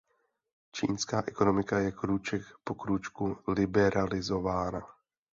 Čínská ekonomika je krůček po krůčku liberalizována.